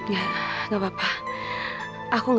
ya aku juga